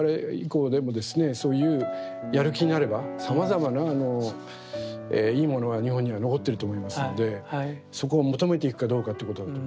そういうやる気になればさまざまないいものは日本には残ってると思いますのでそこを求めていくかどうかってことだと思いますけれども。